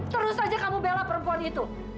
terus aja kamu bela perempuan itu